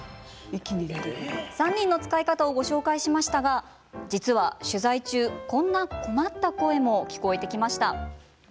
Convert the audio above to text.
３人の使い方をご紹介しましたが実は取材中、こんな困った声も聞こえてきました。